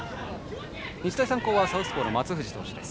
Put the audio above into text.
日大三高はサウスポーの松藤投手。